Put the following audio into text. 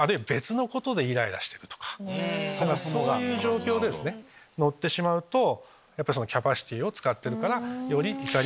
そういう状況で乗ってしまうとキャパシティーを使ってるから。